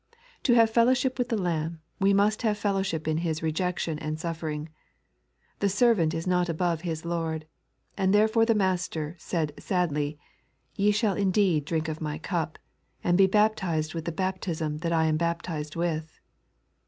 To have fellowship with the Lamb, we must have fellowship in His rejection and suffering. The servant is not above his Lord, and therefore the Master said sadly :" Ye shall indeed drink of My cup, and be baptized with the baptism that I am baptized with."